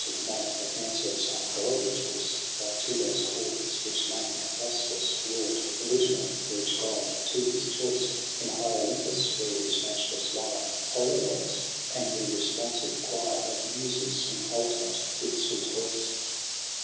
It might the fancy of some god rejoice 5 Like to those halls which lame Hephaestos wrought, Original, for each god to his choice, In high Olympus j where his matchless lyre Apollo wakes, and the responsive choir Of Muses sing alternate with sweet voice.